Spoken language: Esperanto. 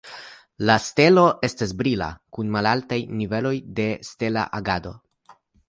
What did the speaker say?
La stelo estas brila kun malaltaj niveloj de stela agado.